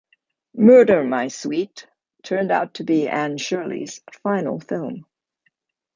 "Murder, My Sweet" turned out to be Anne Shirley's final film.